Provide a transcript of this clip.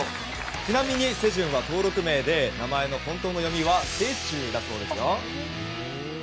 ちなみに「せじゅん」は登録名で名前の本当の読みは「せいちゅう」だそうですよ。